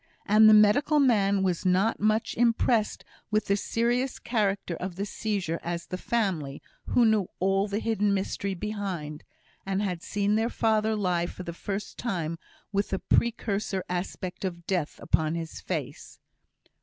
And the medical man was not so much impressed with the serious character of the seizure as the family, who knew all the hidden mystery behind, and had seen their father lie for the first time with the precursor aspect of death upon his face.